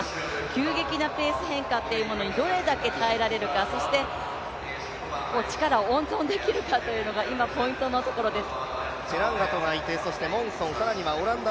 急激なペース変化にどれだけ耐えられるか、そして力を温存できるかというのが、今ポイントのところです。